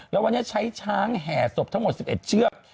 แล้ววันนี้ใช้ช้างแห่ศพทั้งหมด๑๑เชือก